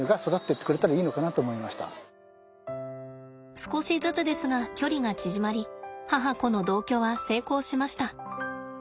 少しずつですが距離が縮まり母子の同居は成功しました。